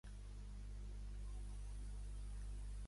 Els equips esportius que es detallen a continuació estan basats a Aichi.